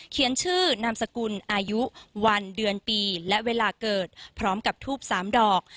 เขียนชื่อนามสกุลอายุวันเดือนปีและเวลาเกิดพร้อมกับทูบ๓ดอก